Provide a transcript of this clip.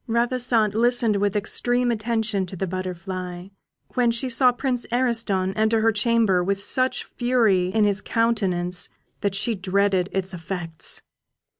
Ravissante listened with extreme attention to the Butterfly, when she saw Prince Ariston enter her chamber with such fury in his countenance, that she dreaded its effects.